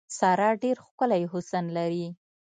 ساره ډېر ښکلی حسن لري.